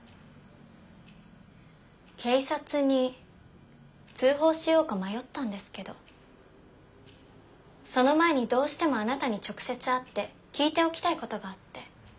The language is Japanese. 警察に通報しようか迷ったんですけどその前にどうしてもあなたに直接会って聞いておきたいことがあって。